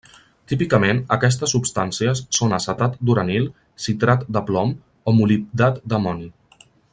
Típicament, aquestes substàncies són acetat d'uranil, citrat de plom o molibdat d'amoni.